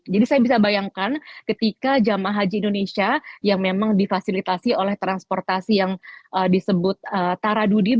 jadi saya bisa bayangkan ketika jam haji indonesia yang memang difasilitasi oleh transportasi yang disebut taradudi